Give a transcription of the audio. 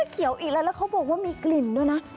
เขียวอีกแล้วแล้วเขาบอกว่ามีกลิ่นด้วยนะ